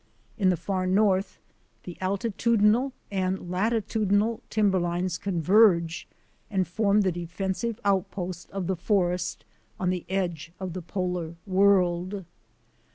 In the far north the altitudinal and latitudinal tim berlines converge and form the defensive outpost of the forest on the edge of the polar world.